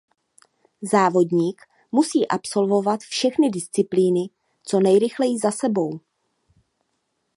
Závodník musí absolvovat všechny disciplíny co nejrychleji za sebou.